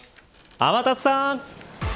天達さん。